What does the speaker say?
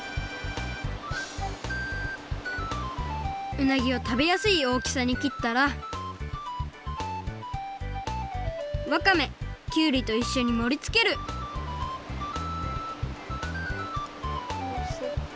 うなぎをたべやすいおおきさにきったらわかめきゅうりといっしょにもりつけるよそって。